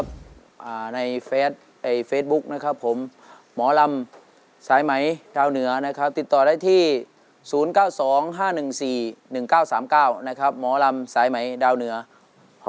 ไม่เยอะเท่าไรไม่เยอะเท่าไรอีกหมื่นห้าคำถามรถจากโคลอันมาเนี่ยนะ